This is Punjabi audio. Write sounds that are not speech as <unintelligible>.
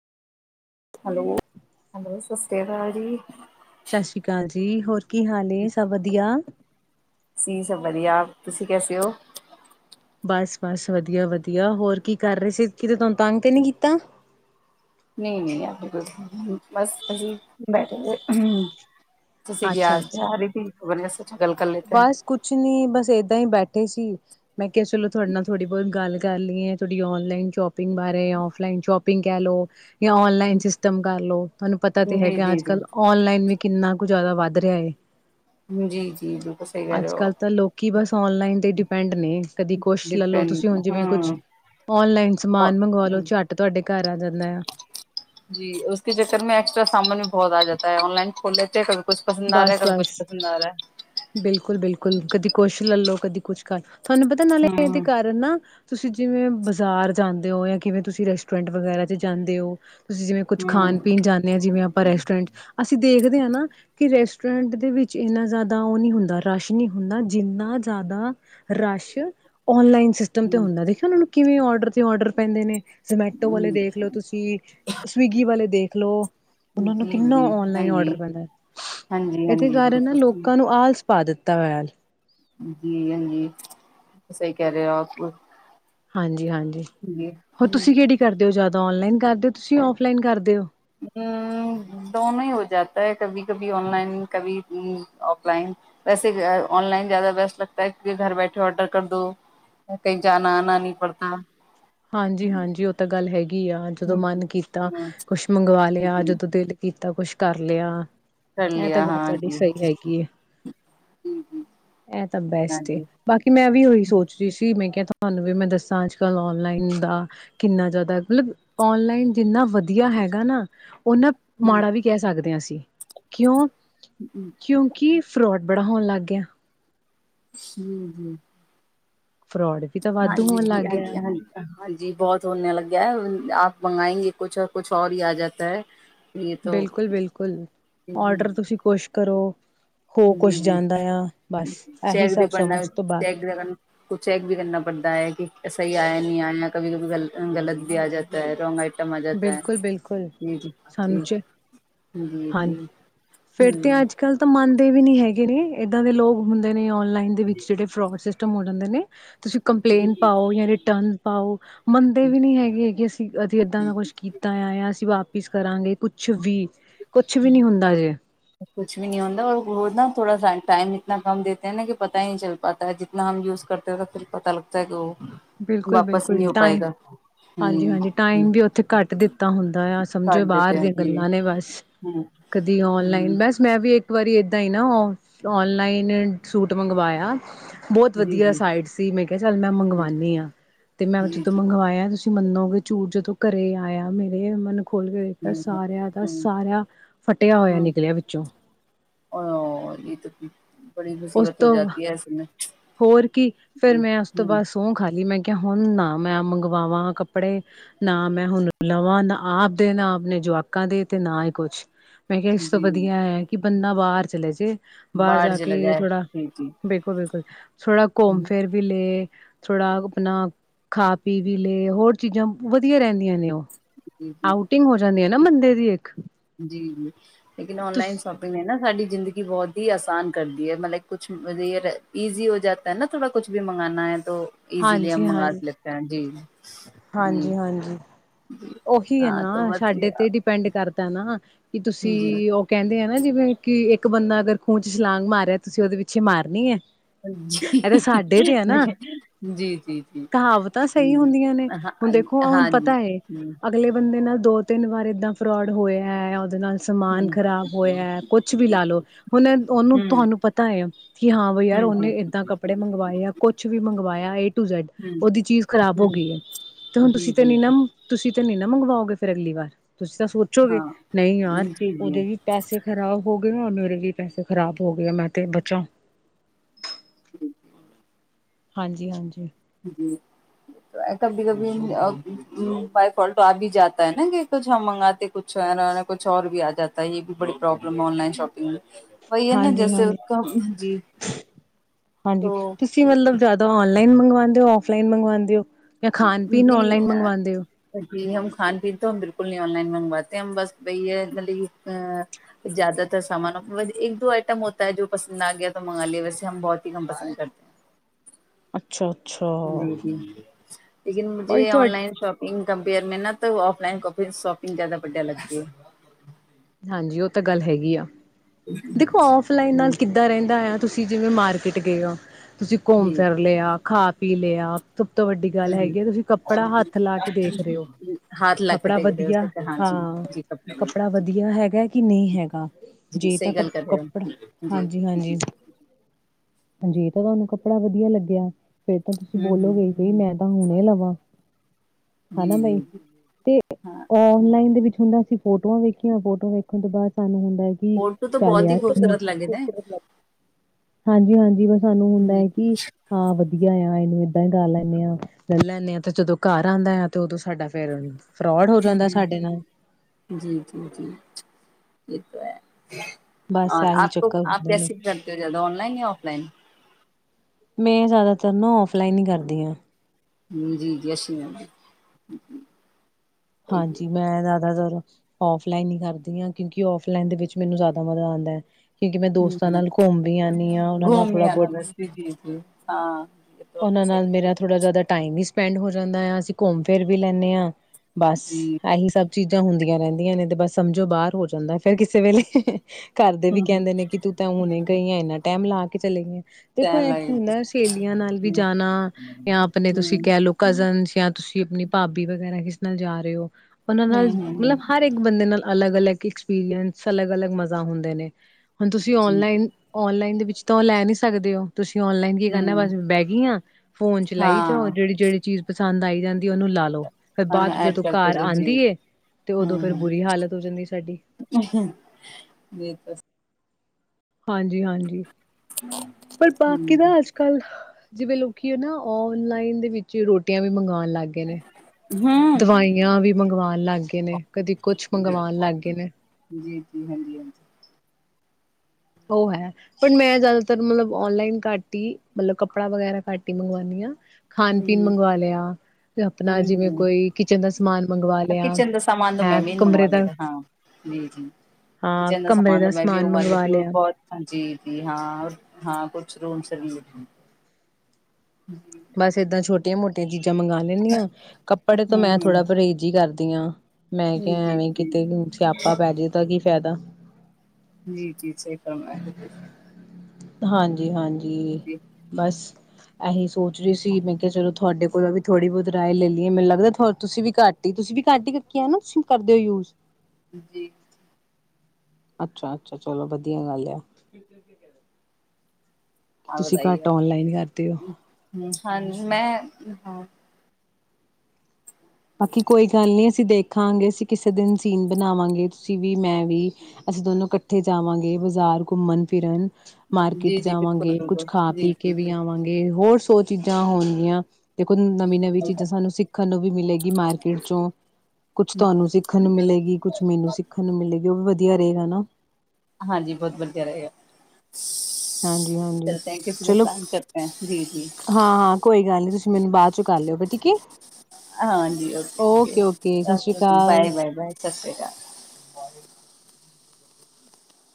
ਹੈਲੋ, ਹੈਲੋ ਸਤਿ ਸ਼੍ਰੀ ਅਕਾਲ ਜੀ। ਸਤਿ ਸ੍ਰੀ ਅਕਾਲ ਜੀ, ਹੋਰ ਕੀ ਹਾਲ ਏ ਸਭ ਵਧੀਆ? ਜੀ ਸਭ ਬਧੀਆ, ਤੁਸੀ ਕੈਸੇ ਓ? ਬਸ ਬਸ ਵਧੀਆ ਵਧੀਆ ਹੋਰ ਕੀ ਕਰ ਰਹੇ ਸੀ ਕਿਤੇ ਤੁਹਾਨੂੰ ਤੰਗ ਤੇ ਨਹੀਂ ਕੀਤਾ ਨਹੀਂ ਨਹੀਂ ਬਸ ਅੈ <unintelligible> ਤੁਸੀਂ ਕੀ ਅੱਛਾ ਯਾਦ ਅੱਛਾ ਜਾ ਆ ਰਹੀ ਸੀ ਵਧੀਆ ਸੋਚਾ ਗੱਲ ਕਰ ਲੇਤੇ ਬਸ ਕੁਛ ਨੀ ਬਸ ਏਦਾਂ ਹੀ ਬੈਠੇ ਸੀ ਮੈਂ ਕਿਹਾ ਚਲੋ ਤੁਹਾਡੇ ਨਾਲ ਥੋੜੀ ਬਹੁਤ ਗੱਲ ਗੱਲ ਏ ਐ ਥੋੱਡੀ ਔਨਲਾਈਨ ਸ਼ੋਪਿੰਗ ਬਾਰੇ, ਓਫਲਾਈਨ ਸ਼ੋਪਿੰਗ ਕਹਿ ਲੋੋ। ਜਾਂ ਔਨਲਾਈਨ ਸਿਸਟਮ ਕਰ ਲੋ, ਤੁਹਾਨੂੰ ਪਤਾ ਤੇ ਜੀ ਹੈਗਾ ਜੀ ਜੀ ਅੱਜ-ਕੱਲ੍ਹ ਓਨਲਾਈਨ ਵੀ ਕਿੰਨਾ ਕੁ ਜ਼ਿਆਦਾ ਵੱਧ ਰਿਆ ਏ। ਜੀ, ਜੀ, ਜੀ। ਅੱਜ ਕੱਲ ਤਾਂ ਲੋਕੀ ਬਸ ਔਨਲਾਈਨ ਤੇ ਡਿਪੈਂਡ ਨੇ, ਕਦੀ ਕੁਸ਼ ਲੈ ਲੋ, ਤੁਸੀਂ ਹੁਣ ਜਿਵੇਂ ਕੁਛ ਔਨਲਾਈਨ ਸਮਾਨ ਮੰਗਵਾਲੋ, ਝੱਟ ਤੁਹਾਡੇ ਘਰ ਆ ਜਾਂਦੈ। ਜੀ, ਉਸ ਕੇ ਚਕਰ ਮੇ ਐਕਸਟਰਾ ਸਾਮਾਨ ਵੀ ਬਹੁਤ ਆ ਜਾਦੈਂ, ਔਨਲਾਈਨ ਖੋਲ ਲ ਕੁਛ ਪਸੰਦ ਆਰੈ, ਤੋ ਕੁਛ ਪਸੰਦ ਆਰੈ। ਬਿਲਕੁਲ ਬਿਲਕੁਲ ਕਦੀ ਕੁਸ਼ ਲੈ ਲੋ ਕਦੀ ਕੁਸ਼ ਕਰ, ਤੁਹਾਨੂੰ ਪਤਾ ਨਾਲੇ ਇਹਦੇ ਕਾਰਨ ਨਾ ਤੁਸੀਂ ਜਿਵੇਂ ਬਜ਼ਾਰ ਜਾਂਦੇ ਓ, ਯਾ ਕਿਵੇਂ ਤੁਸੀਂ ਰੈਸਟੋਰੈਂਟ ਵਗੈਰਾ ਚ ਜਾਂਦੇ ਓ ਤੁਸੀਂ ਜਿਵੇਂ ਕੁਛ ਖਾਣ ਪੀਣ ਜਾਂਦੇ ਆ ਜਿਵੇਂ ਆਪਾਂ ਰੈਸਟੋਰੈਂਟ ਅਸੀਂ ਦੇਖਦੇ ਹਾਂ ਨਾ ਕਿ ਰੈਸਟੋਰੈਂਟ ਦੇ ਵਿੱਚ ਇੰਨਾ ਜ਼ਿਆਦਾ ਉਹ ਨਹੀਂ ਹੁੰਦਾ ਰਸ਼ ਨਹੀਂ ਹੁੰਦਾ ਜਿੰਨਾ ਜ਼ਿਆਦਾ ਰਸ਼ ਔਨਲਾਈਨ ਮ ਤੇ ਹੁੰਦਾਖ ਉਹ ਨੂੰ ਕਿਵੇਂ ਔਡਰ ਤੇ ਔਡਰ ਪੈਂਦੇ ਨੇ ਜਮੈਟੋ ਵਾਲੇ ਦੇਖ ਲੋ ਤੁਸੀਂ ਸਵੀਗੀ ਵਾਲੇ ਦੇਖ ਲਓ ਉਹਨਾ ਨੂੰ ਕਿੰਨਾ ਆਨਲਾਈਨ ਔਡਰ ਪੈਂਦਾ ਹਾਂਜੀ ਹਾਂਜੀ ਇਹਦੇ ਕਾਰਨ ਨਾ ਬਿਲਕੁਲ ਲੋਕਾਂ ਆਲਸ ਪਾ ਦਿੱਤਾ ਹੋਇਆ ਜੀ ਹਾਂਜੀ ਸਹੀ ਕਹਿ ਰਹੇ ਹੋ ਆਪ ਹਾਂਜੀ ਹਾਂਜੀ ਹੋਰ ਤੁਸੀਂ ਕਿਹੜੀ ਕਰਦੇ ਹੋ ਜ਼ਿਆਦਾ ਔਨਲਾਈਨ ਕਰਦੇ ਹੋ ਤੁਸੀਂ ਫਲਾਈਨ ਕਰਦੇ ਹੋ ਹਮ ਦੋਨੋ ਹੀ ਹੋ ਜਾਤਾ ਹੈ ਕਭੀ ਕਭੀ ਔਨਲਾਈਨ ਕਭੀ ਔਫਲਾਈਨ ਵੈਸੇ ਔਨਲਾਈਨ ਜ਼ਿਆਦਾ ਬੈਸਟ ਲਗਦਾ ਹੈ ਕਿਉਂਿ ਘਰ ਬੈਠੇ ਔਰਡਰ ਕਰ ਦੋ ਕਈ ਜਾਣਾ ਆਣਾ ਨ ਨਹੀਂ ਪੜਤਾ ਹਾਂਜੀ ਹਾਂਜੀ ਉਹ ਤਾਂ ਗੱਲ ਹੈਗੀ ਆ ਜਦੋਂ ਮਨ ਕੀਤਾ ਕੁਛ ਮੰਗਵਾ ਲਿਆ ਜਦੋਂ ਦਿਲ ਕੀਤਾ ਕੁਛ ਕਰ ਲਿਆ ਇਹ ਤਾਂ ਗੱਲ ਤੁਹਾਡੀ ਸਹੀ ਹੈਗੀ ਆ ਇਹ ਤਾਂ ਬੈਸਟ ਬਾਕੀ ਮੈਂ ਵੀ ਉਹੀ ਸੋਚ ਰਹੀ ਸੀ ਮੈਂ ਕਿਹਾ ਤੁਹਾਨੂੰ ਵੀ ਮੈਂ ਦੱਸਾਂ ਅੱਜ ਕੱਲ ਲਾਈਨ ਦਾ ਕਿੰਨਾ ਜ਼ਿਆਦਾ ਮਤਲਬ ਔਨਲਾਈਨ ਜਿੰਨਾ ਵਧੀਆ ਹੈਗਾ ਨਾ ਓਨਾ ਮਾੜਾ ਵੀ ਕਹਿ ਸਕਦੇ ਹਾਂ ਅਸੀਂ ਕਿਉਂ ਹਮ ਕਿਉਂਕਿ ਫਰੋਡ ਬੜਾ ਹੋਣ ਲੱਗ ਗਿਆ ਜੀ ਜੀ ਫਰੋਡ ਵੀ ਤਾਂ ਵਾਧੂ ਹਾਂਜੀ ਹੋਣ ਲੱਗ ਗਿਆ ਹਾਂਜੀ ਹੈ। ਹਾਂਜੀ ਹਾਂਜੀ ਬਹੁਤ ਹੋਨ ਲੱਗ ਗਿਆ ਹੈ ਆਪ ਮੰਗਏਂ ਗਗੇ ਕੁਛ ਕੁਛ ਔਰ ਹੀ ਆ ਜਾਤਾ ਹੈ ਬਿਲਕੁਲ ਬਿਲਕੁਲ ਔਡਰ ਤੁਸੀਂ ਕੁਛ ਕਰੋ ਹੋਰ ਕੁਛ ਜਾਂਦਾ ਆ ਬਸ ਇਹੀ ਸਭ ਸਮਝ ਤੋਂ ਬਹਰ <unintelligible> ਕੁ ਚੈੱਕ ਵੀ ਕਰਨਾ ਪੜਦਾ ਹੈ ਕਿ ਸਹੀ ਆਇ ਨਹੀਂ ਆਇ ਕ ਕ ਗ ਗਲਤ ਵੀ ਆ ਜਾ ਹੈ ਰੋਂਗ ਆਈ ਾ ਮਜ਼ਾ ਹੈ ਬਿਲਕੁਲ-ਬਿਲਕੁਲ ਠੀਕ ਸਾਨੂੰ ਠੀਕ ਚ ਜੀ ਜੀ ਹਮ ਕੱਲ ਤਾਂ ਮੰਨਦੇ ਵੀ ਨੀ ਹੈਗੇ ਨੇ ਇਏਦਾਂ ਦੇ ਲੋਕ ਹੁੰਦੇ ਨੇ ਔਨਲਾਈਨ ਦੇ ਵਿੱਚ ਜਿਹੜੇ ਫਰੋਡ ਸਿਸਟਮ ਹੋ ਜਾਂਦੇ ਨੇ ਤੁਸੀਂ ਕੰਪਲੇਂਟ ਪਾਓ ਜਾਂ ਰਿਟਰਨ ਪਾਓ ਮੰਨਦੇ ਵੀ ਨਹੀਂੀ ਹੈਗੇ ਹੈ ਕਿ ਅਸੀਂ ਅਸੀਂ ੱਦਾਂ ਦਾ ਕੁਛ ਕੀਤਾ ਆ ਅਸੀਂ ਵਾਪਿਸ ਕਰਾਂਗੇ ਕੁਛ ਵੀ ਕੁਛ ਵੀ ਨਹੀਂ ਹੁੰਦਾ ਜੇ ਕੁਛ ਵੀ ਨਹੀਂ ਹੁੰਦਾ ਉਹ ਗ ਨਾਥੋੜਾ ਟਾਈਮ ਇਤਨਾ ਕਮ ਦੇਤੇ ਨਾ ਕਿ ਪਤਾ ਹੀ ਨਹੀਂ ਚਲ ਪਾਤਾ ਜਿਨਾ ਹਮ ਯੂਜ ਕਰਦੇ ਹੋ ਤਾਂ ਫਿਰ ਪਤਾ ਲਗਦਾ ਹੈ ਕਿ ਉਹ ਬਿਲਕੁਲ, ਬਿਲਕੁਲ ਟਾਈਮ ਹਾਂਜੀ- ਹਾਂਜੀ ਟਾਈਮ ਵੀ ਉੱਥੇ ਘੱਟ ਦਿੱਤਾ ਹੁੰਦਾ ਆ ਸਮਝੋ ਬਾਹਰ ਦੀਆਂ ਗੱਲਾਂ ਨੇ ਬਸ ਕਦੀ ਔਨਲਾਈਨ ਬਸ ਮੈਂ ਵੀ ਇੱਕ ਵਾਰੀ ਏਦਾਂ ਹੀ ਨਾ ਔਨਲਾਈਨ ਸੂਟ ਮੰਗਵਾਇਆ ਬਹੁਤ ਵਧੀਆ ਸਾਈਡ ਸੀ ਮੈਂ ਕਿਹਾ ਚੱਲ ਮੈਂ ਮੰਗਵਾਉਾਨਦੀ ਹਾਂ ਤੇ ਮੈਂ ਜਦੋਂ ਮੰਗਵਾਇਆ ਤੁਸੀ ਤੁਸੀਂ ਮੰਨੋਗੇ ਝੂਠ ਜਦੋਂ ਘਰੇ ਆਇਆ ਮੇਰੇ ਮਨ ਖੋਲ ਕੇਖਿਆ ਸਾਰਿਆਂ ਦਾ ਸਾਰਾ ਫਟਿਆ ਹੋਇਆ ਨਿਕਲਿਆ ਵਿੱਚੋਂ ਹ ਇਹ ਤਾਂ ਬੜੀ ਉਸ ਮੁਸੀਬਤ ਹੋ ਤੋਂ ਜਾਤੀ ਹੈ ਐਸੇ ਮੇ ਹੋਰ ਕੀ ਫੇਿਰ ਮੈਂ ਉਸ ਤੋਂ ਬਾਅਦ ਸਹ ਖਾ ਲਈ ਮੈਂ ਕਿਹਾ ਹੁਣ ਨਾ ਮੈਂ ਮੰਗਵਾਵਾਂ ਕੱਪੜੇ ਨਾ ਮੈਂ ਹੁਣ ਲਵਾਂ ਨਾ ਆਪ ਦੇ ਨਾ ਆਪਣੇ ਜਵਾਕਾਂ ਦੇ ਤੇ ਨਾ ਹੀ ਕੁਛ ਮੈਂ ਕਿਹਾ ਇਸ ਤੋਂ ਵਧੀਆ ਹੈ ਕਿ ਬੰਦਾ ਬਾਹਰ ਚਲੇ ਜੇ ਬਾਹਰ ਜਾ ਕੇ ਥੋੜਾ ਬਿਲਕੁਲ ਬਿਲਕੁਲ ਥੋੜਾ ਘੁੰਮ ਫੇਿਰ ਵੀ ਲਏ ਥੋੜਾ ਆਪਣਾ ਖਾ ਪੀ ਵੀ ਲੈ ਹੋਰ ਚੀਜ਼ਾਂ ਵਧੀਆ ਰਹਿੰਦੀਆਂ ਨੇ ਉਹ ਜੀ ਆਊਟਿੰਗ ਹੋ ਜਾਂਦੀ ਹੈ ਨਾ ਬੰਦੇ ਦੀ ਇੱਕ ਜੀ ਲੇਕਿਨ ਤੁ ਔਨਲਾਈਨ ਸ਼ੋਪ ਨਾ ਸਾਡੀ ਜ਼ਿੰਦਗੀ ਬਹੁਤ ਹੀ ਆਸਾਨ ਕਰਦੀ ਹੈ ਮਤਲਬ ਕੁਛ ਯ ਈਜ਼ੀ ਹੋ ਜਾਤਾ ਨਾ ੋੜਾ ਕੁਛ ਵੀ ਮੰਗਾਨਾ ਹੈ ਇਜ਼ੀਲੀ ਹਾਂਜੀ ਮੰਗ ਹਾਂਜੀ ਸਕ ਜੀ <unintelligible> ਹਾਂਜੀ -। ਹਾਂਜੀ ਉਹੀ ਹੈ ਨਾ, ਸਾਡੇ ਤੇ ਡਿਪੈਂਡ ਕਰਦਾ ਨਾ ਕਿ ਤੁਸੀਂ ਕਹਿੰਦੇ ਆ ਨਾ ਜਿਵੇਂ ਕਿ ਇੱਕ ਬੰਦਾ ਅਗਰ ਖੂਹ ਚ ਛਲਾਂਗ ਮਾਰੇ ਤੁਸੀਂ ਉਹਦੇ ਪਿੱਛੇ ਮਾਰਨੀ ਹੈ ਇਹ ਤੇ ਸਾਡੇ ਤੇ ਆ ਨਾ, ਕਹਾਵਤਾਂ ਸਹੀ ਹੁੰਦੀਆਂ ਨੇ ਹੁਣ ਦੇਖੋ ਹੁਣ ਪਤਾ ਹੈ ਅਗਲੇ ਬੰਦੇ ਨਾਲ ਦੋ ਤਿੰਨ ਵਾਰ ਏਦਾਂ ਫਰੋਡ ਹੋਇਆ ਉਹਦੇ ਨਾਲ ਸਮਾਨ ਖ਼ਰਾਬ ਹੋਇਆ, ਕੁਛ ਵੀ ਲਾ ਲਓ ਹੁਣ ਉਹਨੂੰ ਤੁਹਾਨੂੰ ਪਤਾ ਹੈ ਕਿ ਹਾਂ ਬ ਯਾਰ ਉਹਨੇ ਏਦਾਂ ਕੱਪੜੇ ਮੰਗਵਾਏ ਆ ਕੁਛ ਵੀ ਮੰਗਵਾਇਆ ਏ ਟੂ ਜੈਡ ਉਹਦੀ ਚੀਜ਼ ਖਰਾਬ ਹੋ ਗਈ ਹੈ ਤੇ ਹੁਣ ਤੁਸੀਂ ਤੇੈਨੀ ਨਾ ਤੁਸੀਂ ਤੇੈ ਨਾ ਮੰਗਵਾਓਗੇ ਫੇਿਰ ਅਗਲੀ ਵਾਰ ਤੁਸੀਂ ਤਾਂ ਸ ਪੁੱਛੋਗੇ ਨਹੀਂ ਯਾਰ ਉਹਦੇ ਵੀ ਪੈਸੇ ਖ਼ਰਾਬ ਹੋ ਗਏ ਮੇਰੇ ਵੀ ਪੈਸੇ ਖਰਾਬ ਹੋ ਗਏ ਆ ਮੈਂ ਤੇ ਬਚਾ ਹਠ ਹਾਂਜੀ -ਹਾਂਜੀ। ਜੀ ਕਭੀ-ਕਭੀ ਬਾਾਈਫੋਲਟ ਆ ਹੀ ਜਾਤਾ ਹੈ ਨਾ ਕਿ ਕੁਛ ਮੰਗਾਤੇ ਕੁਛ ਹੈ ਨਾ ਨਾ ਕੁਛ ਰ ਵੀ ਆ ਜਾਤਾ ਹੈ ਇਹ ਵੀ ਬੜੀ ਪ੍ਰੋਬਲਮ ਹੈ ਔਨਲਾਈਨ ਸ਼ੋਪਿੰਗ ਵਹੀ ਹੈ ਨਾ ਹਾਂਜੀ ਜੈਸੇ ਹਾਂਜੀ ਉਸ ਜੀ ਤਾਂ ਔਨਲਾਈਨ ਮੰਗਵਾਉਂਦੇਓ ਉਫਲਾਈਨ ਮੰਗਵਾਉਂਦੇਓ ਜਾਂ ਖਾਣ ਪੀਣ ਔਨਲਾਈਨ ਮੰਗਵਾਉਂਦੇ ਹੋ ਜੀ ਹਮ ਖਾਣ ਪੀਣ ਤੋਂ ਬਿਲਕੁਲ ਨਹੀਂ ਔਨਲਾਈਨ ਮੰਗਵਾਤੇ ਬਸ ਬ ਮਤਲਬ ਅ ਜ਼ਿਆਦਾਤਰ ਸਾਮਾਨ ਇੱਕ ਦੋ ਆਈਟਮ ਹੋਤਾ ਹੈ ਜੋ ਪਸੰਦ ਆ ਗਿਆ ਤਾਂ ਮੰਗਵਾ ਲਿਆ ਵੈਸੇ ਹਮ ਬਹੁਤ ਹੀ ਕਮ ਪਸੰਦ ਕਰਦੇ ਅੱਛਾ, ਅੱਛਾ। ਜੀ, ਜੀ ਲੇਕਿਨ ਉਹੀ ਮੁਝੇ ਤੁਹਾ ਔਨਲਾਈਨ ਸ਼ੋਪ ਇਨ ਕੰਪੇਅਰ ਨਾ ਤਾਂ ਔਫਲਾਈਨ ਕਫੀ ਸ਼ੋਪਿੰਗ ਜਿਆਦਾ ਵਧੀਆ ਲਗਦੀ ਹੈ ਹਾਂਜੀ ਉਹ ਤਾਂ ਗੱਲ ਹੈਗੀ ਆ ਦੇਖੋ ਫਲਾਈਨ ਨਾਲ ਕਿੱਦਾ ਕਿੱਦਾਂ ਰਹਿੰਦਾ ਆ ਤੁਸੀਂ ਜਿਵੇਂ ਮਾਰਕੀਟ ਗਏ ਹੋ ਤੁਸੀਂ ਘੁੰਮ ਫਿਰ ਲਿਆ, ਖਾ ਪੀ ਲਿਆ ਸਭ ਤੋਂ ਵੱਡੀ ਗੱਲ ਹੈਗੀ ਹੈ ਤੁਸੀਂ ਕੱਪੜਾ ਹੱਥ ਲਾ ਕੇ ਦੇਖ ਰਹੇ ਹੋ, ਕੱਪੜਾ ਵਧੀਆ ਹਾਂਜੀ, ਹਾਂ ਜੀ ਕੱਪੜਾ ਵਧੀਆ ਹੈਗਾ ਕਿ ਨਹੀਂ ਹੈਗਾ ਜੀ ਤਾਂ ਕ ਕੱਪੜਾ ਹਾਂਜੀ- ਹਾਂਜੀ। ਹਾਂਜੀ ਤਾਂ ਤੁਹਾਨੂੰ ਕੱਪੜਾ ਵਧੀਆ ਲੱਗਿਆ ਫੇਰ ਤਾਂ ਤੁਸੀਂ ਬੋਲੋਗੇ ਬਈ ਮੈਂ ਤਾਂ ਹੁਣੇ ਲਵਾਂ ਹਨਾ ਬਾਈ ਤੇ, ਔਨਲਾਈਨ ਦੇ ਵਿੱਚ ਹੁੰਦਾ ਅਸੀਂ ਫੋਟੋਆਂ ਵੇਖ ਫੋਟੋ ਵੇਖਣ ਤੋਂ ਬਾਅਦ ਸਾਨੂੰ ਹੁੰਦਾ ਕੀ ਚੱਲ ਯਾਰ ਹਾਂਜੀ- ਹਾਂਜੀ ਬਸ ਸਾਨੂੰ ਹੁੰਦਾ ਹੈ ਕਿ ਹਾਂ ਵਧੀਆ ਆ ਇਹਨੂੰ ਏਦਾਂ ਹੀ ਗਾ ਲੈਂਦੇ ਆਂ ਲੈ ਲੈਂਦੇ ਹਾਂ ਤੇ ਜਦੋਂ ਘਰ ਆਉਂਦਾ ਆ ਤੇ ਉਦੋਂ ਸਾਡਾ ਫਿਰ ਫਰੋਡ ਹੋ ਜਾਂਦਾ ਸਾਡੇ ਨਾਲ ਜੀ, ਜੀ, ਜੀ, ਇਹ ਤਾ ਹੈ। ਬਸ ਆਹੀ ਆਪ, ਚੱਕਰ ਆਪ ਹੁੰਦੇ ਨੇ ਕੈਸੇ ਵੀ ਕਰਤੇ ਹੋ ਜ਼ਿਆਦਾ ਔਨਲਾਈਨ ਯਾ ਔਫਲਾਈਨ। ਮੈਂ ਜ਼ਿਆਦਾਤਰ ਨਾ, ਔਫਲਾਈਨ ਹੀ ਕਰਦੀ ਹਾਂ। ਹੂੰ, ਜੀ, ਜੀ ਅੱਸ਼ੀ ਆ, ਮੈਂ ਹਾਂਜੀ, ਮੈਂ ਜ਼ਿਆਦਾਤਰ ਆਫਲਾਈਨ ਹੀ ਕਰਦੀ ਆਂ ਕਿਉਂਕਿ ਉਫਲਾਈਨ ਦੇ ਵਿਚ ਮੈਨੂੰ ਜਿਆਦਾ ਮਜਾ ਆਉਂਦਾ ਹੈ ਕਿਉਂਕਿ ਮੈਂ ਦੋਸਤਾਂ ਨਾਲ ਘੁੰਮ ਵੀ ਆਉਂਦੀ ਹਾਂ ਉਹਨਾਂ ਨਾਲ ਥੋੜ੍ਹਾ ਬਹੁਤ ਜੀ -ਜੀ ਹਾਂ ਉਹਨਾਂ ਨਾਲ ਮੇਰਾ ਥੋੜਾ ਜਿਆਦਾ ਟਾਈਮ ਹੀ ਸਪੈਂਡ ਹੋ ਜਾਂਦਾ ਆ ਅਸੀਂ ਘੁੰਮ ਫਿਰ ਵੀ ਲੈਂਦੇ ਹਾਂ ਬਸ ਇਹੀ ਸਭ ਚੀਜ਼ਾਂ ਹੁੰਦੀਆਂ ਰਹਿੰਦੀਆਂ ਨੇ ਤੇ ਬਸ ਸਮਝੋ ਬਾਹਰ ਹੋ ਜਾਂਦਾ ਫੇਰ ਕਿਸੇ ਵੇਲੇ ਘਰ ਦੇ ਵੀ ਕਹਿੰਦੇ ਨੇ ਕਿ ਤੂੰ ਤਾਂ ਹੁਣੇ ਗਈ ਆਂ ਇੰਨਾ ਟੈਮ ਲਾ ਕੇ ਚਲੇ ਗਈ ਆ ਦੇਖੋ ਐਂ ਕੀ ਹੁੰਦਾ ਸਹੇਲੀਆਂ ਨਾਲ ਵੀ ਜਾਣਾ ਜਾਂ ਆਪਣੇ ਤੁਸੀਂ ਕਹਿ ਲਓ ਕਜ਼ਨ ਜਾਂ ਤੁਸੀਂ ਆਪਣੀ ਭਾਬੀ ਵਗੈਰਾ ਕਿਸੇ ਨਾਲ ਜਾ ਰਹੇ ਹੋ ਉਹਨਾਂ ਨਾਲ ਮਤਲਬ ਹਰ ਇੱਕ ਬੰਦੇ ਨਾਲ ਅਲੱਗ- ਅਲੱਗ ਐਕਸਪੀਰਿੰਸ ਅਲੱਗ -ਅਲੱਗ ਮਜ਼ਾ ਹੁੰਦੇ ਨੇ ਹੁਣ ਤੁਸੀਂ ਓਨਲਾਈਨ ਔਨਲਾਈਨ ਦੇ ਵਿੱਚ ਤਾਂ ਉਹ ਲੈ ਨੀ ਸਕਦੇ ਹੋ, ਤੁਸੀਂ ਔਨਲਾਈਨ ਕੀ ਕਰਨਾ ਬਸ ਬੈ ੀਆਂ ਫੋਨ ਚਲਾਈ ਜਾਓ, ਜਿਹੜੀ-ਜਿਹੜੀ ਚੀਜ਼ ਪਸੰਦ ਆਈ ਜਾਂਦੀ ਆ, ਉਹਨੂੰ ਲਾਲੋ। ਫਿਰ ਬਾਅਦ ਜਦੋਂ ਘਰ ਆਂਦੀ ਏ, ਤੇ ਉਦੋਂ ਫਿਰ ਬੁਰੀ ਹਾਲਤ ਹੋ ਜਾਂਦੀ ਸਾਡੀ। ਬੇਕਫਸਟ ਹਾਂਜੀ-ਹਾਂਜੀ, ਪਰ ਬਾਕੀ ਦਾ ਅੱਜ ਕੱਲ ਜਿਵੇਂ ਲੋਕੀ ਏ ਨਾ ਔਨਲਾਈਨ ਦੇ ਵਿੱਚ ਰੋਟੀਆਂ ਵੀ ਮੰਗਾਣ ਲੱਗ ਗਏ ਨੇ। ਦਵਾਈਆਂ ਵੀ ਮੰਗਵਾਣ ਲੱਗ ਗਏ ਨੇ, ਕਦੀ ਕੁਛ ਮੰਗਵਾਣ ਲੱਗ ਗਏ ਨੇ। ਜੀ, ਜੀ, ਹਾਂਜੀ-ਹਾਂਜੀ। ਉਹ ਹੈ। ਪਰ ਮੈਂ ਜ਼ਿਆਦਾਤਰ ਮਤਲਬ ਔਨਲਾਈਨ ਘੱਟ ਹੀ, ਮਤਲਬ ਕੱਪੜਾ ਵਗੈਰਾ ਘੱਟ ਹੀ ਮੰਗਵਾਂਨੀ ਆ। ਖਾਣ-ਪੀਣ ਮੰਗਵਾ ਲਿਆ। ਆਪਣਾ ਜਿਵੇਂ ਕੋਈ ਕਿਚਨ ਦਾ ਸਮਾਨ ਮੰਗਵਾ ਲਿਆ, ਹੈ ਕਮਰੇ ਦਾ ਜੀ, ਜੀ ਹਾਂ ਕਿਚਨ ਦਾ ਕਮਰੇ ਸਮਾਨ ਤਾਂ, ਮੈਂ ਵੀ ਉ ਮਰ ਮੰਗਵਾ ਲਤੀ ਲਿਆ ਬਹੁਤ ਹਾਂਜੀ, ਜੀ, ਹਾਂ, ਹਾਂ ਕੁਛ ਰੂਮ ਬਸ ਏਦਾਂ ਛੋਟੀਆਂ-ਮੋਟੀਆਂ ਚੀਜ਼ਾਂ ਮੰਗਵਾ ਲੈਂਨੀ ਆ, ਕੱਪੜੇ ਤੋਂ ਮੈਂ ਥੋੜਾ ਪਰਹੇਜ਼ ਹੀ ਕਰਦੀ ਹਾਂ। ਮੈਂ ਕਿਹਾ ਐਵੇਂ ਕਿਤੇ, ਸਿਆਪਾ ਪੈਜੇ ਤਾਂ ਕੀ ਫਾਇਦਾ। ਜੀ, ਜੀ ਸਹੀ ਫਰਮਾਇਆ। ਹਾਂਜੀ-ਹਾਂਜੀ, ਬਸ ਐਹੀ ਸੋਚ ਰਹੀ ਸੀ, ਮੈਂ ਕਿਹਾ ਚਲੋ ਥੁਹਾਡੇ ਕੋਲੋ ਵੀ ਥੋੜੀ-ਬਹੁਤ ਰਾਏ ਲੈ ਲਈਏ, ਮੈਨੂੰ ਲੱਗਦਾ ਤੁਸੀਂ ਵੀ ਘੱਟ ਤੁਸੀਂ ਵੀ ਘੱਟ ਹੀ ਕਿਆ ਨਾ, ਤੁਸੀਂ ਕਰਦੇ ਓ ਯੂਜ? ਜੀ। ਅੱਛਾ-ਅੱਛਾ ਚਲੋ ਵਧੀਆ ਗੱਲ ਆ। ਕਿ <unintelligible> ਆਹ ਵਧਾਈਆ ਔਨਲਾਈਨ ਕਰਦੇ ਹੋ ਹ ਹਾਂਜੀ, ਮੈਂ ਬਾਕੀ ਕੋਈ ਗੱਲ ਨੀ ਅਸੀਂ ਦੇਖਾਂਗੇ, ਅਸੀਂ ਕਿਸੇ ਦਿਨ ਸੀਨ ਬਣਾਵਾਂਗੇ, ਤੁਸੀਂ ਵੀ, ਮੈਂ ਵੀ। ਅਸੀਂ ਦੋਨੋ ਇਕੱਠੇ ਜਾਵਾਂਗੇ ਬਜ਼ਾਰ ਘੁੰਮਣ-ਫਿਰਨ। ਮਾਰਕੀਟ ਜਾਵਾਂਗੇ, ਕੁਛ ਖਾ-ਪੀ ਕੇ ਵੀ ਆਵਾਂਗੇ, ਹੋਰ ਸੋ ਚੀਜ਼ਾਂ ਹੋਣਗੀਆਂ, ਦੇਖੋ ਨਵੀਂ-ਨਵੀਂ ਚੀਜ਼ਾਂ ਸਾਨੂੰ ਸਿੱਖਣ ਨੂੰ ਵੀ ਮਿਲੇਗੀ। ਮਾਰਕੀਟ'ਚੋਂ ਕੁਛ ਤੁਹਾਨੂੰ ਸੀ ਸਿੱਖਣ ਨੂੰ ਮਿਲੇਗੀ, ਕੁਛ ਮੈਨੂੰ ਸਿੱਖਣ ਨੂੰ ਮਿਲੇਗੀ, ਉਹ ਵੀ ਵਧੀਆ ਰਹੇਗਾ ਨਾ। ਹਾਂਜੀ, ਬਹੁਤ ਵਧੀਆ ਰਹੇਗਾ। ਹਾਂਜੀ-ਹਾਂਜੀ, ਚਲੋ, ਥੈਂਕ ਯੁ ਫਿਰ ਸਲਾ ਕਰਤੈੱ, ਜੀ, ਜੀ। ਹਾਂ, ਹਾਂ ਕੋਈ ਗੱਲ ਨੀ ਤੁਸੀਂ ਮੈਨੂੰ ਬਾਅਦ'ਚ ਕਰ ਲਿਓ ਠੀਕ ਏ। ਹਾਂਜੀ, ਓਕੇ-ਓਕੇ, ਸਤਿ ਸ਼੍ਰੀ ਬਾਏ, ਅਕਾਲ। ਬਾਏ, ਬਾਏ ਸਤਿ ਸ਼੍ਰੀ ਅਕਾਲ।